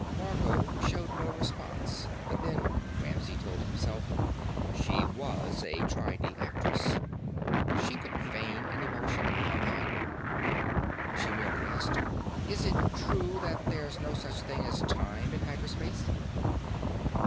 Margot showed no response, but then, Ramsey told himself, she was a tri di actress. She could feign an emotion or hide one. She merely asked: "Is it true that there's no such thing as time in hyper space?"